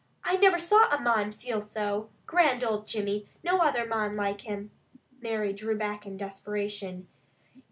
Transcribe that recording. I never saw a mon feel so. Grand old Jimmy! No other mon like him!" Mary drew back in desperation.